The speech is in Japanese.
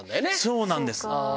そうなんです。